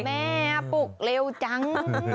แม่ปลุกเร็วจัง